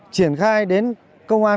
triển khai đến công an